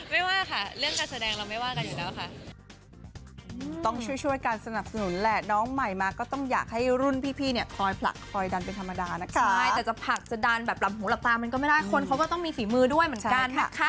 ไม่ว่าค่ะเรื่องการแสดงเราไม่ว่ากันอยู่แล้วค่ะ